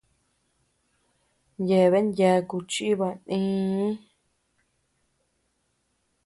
Yeaben yaku chiiba nïi.